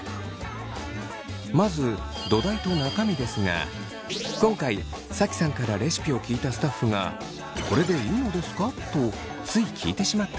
まず土台と中身ですが今回Ｓａｋｉさんからレシピを聞いたスタッフが「これでいいのですか？」とつい聞いてしまった内容です。